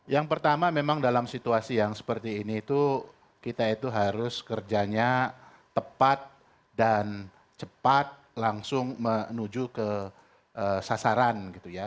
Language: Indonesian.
yang pertama memang dalam situasi yang seperti ini itu kita itu harus kerjanya tepat dan cepat langsung menuju ke sasaran gitu ya